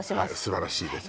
すばらしいです